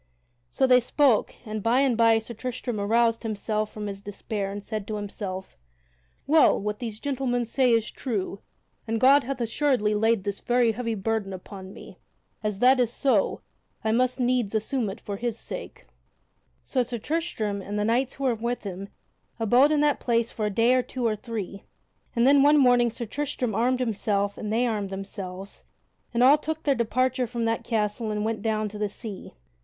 So they spoke, and by and by Sir Tristram aroused himself from his despair and said to himself: "Well, what these gentlemen say is true, and God hath assuredly laid this very heavy burden upon me; as that is so, I must needs assume it for His sake." [Sidenote: Sir Tristram departs from Cornwall] So Sir Tristram and the knights who were with him abode in that place for a day or two or three, and then one morning Sir Tristram armed himself and they armed themselves, and all took their departure from that castle and went down to the sea.